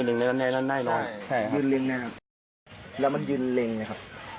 ยืนเร็งนะครับแล้วมันยืนเร็งนะครับ